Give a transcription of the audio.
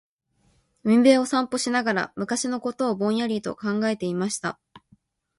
•海辺を散歩しながら、昔のことをぼんやりと考えていました。